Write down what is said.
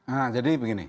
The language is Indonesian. nah jadi begini